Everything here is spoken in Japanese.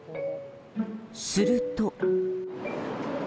すると。